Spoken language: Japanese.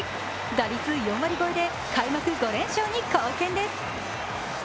打率４割超えで開幕５連勝に貢献です。